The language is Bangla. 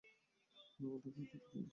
না, ওটাকে আটকে দিয়েছি আমি।